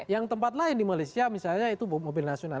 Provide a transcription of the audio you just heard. yang tempat lain di malaysia misalnya itu mobil nasional